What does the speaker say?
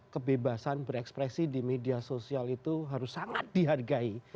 kebebasan berekspresi di media sosial itu harus sangat dihargai